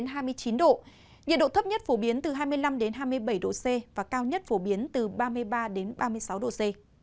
nhiệt độ thấp nhất phổ biến từ hai mươi năm hai mươi bảy độ c và cao nhất phổ biến từ ba mươi ba đến ba mươi sáu độ c